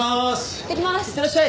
いってらっしゃい！